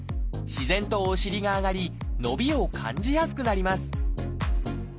自然とお尻が上がり伸びを感じやすくなります